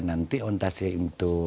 nanti onetasi untuk